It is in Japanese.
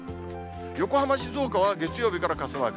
横浜、静岡は月曜日から傘マーク。